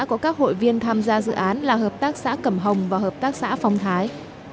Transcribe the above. có các hội viên tham gia dự án là hợp tác xã cẩm hồng và hợp tác xã phong thái